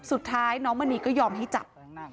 สุดท้ายน้องมณีก็ยอมให้จับ